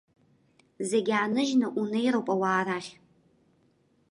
Зегь ааныжьны, унеироуп ауаа рахь.